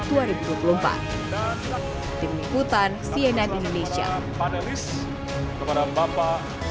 di ikutan cnn indonesia